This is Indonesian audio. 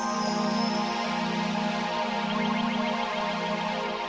jangan lupa like share dan subscribe